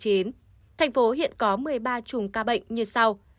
thành phố hiện có một mươi ba chùm ca bệnh như sau